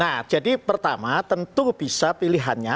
nah jadi pertama tentu bisa pilihannya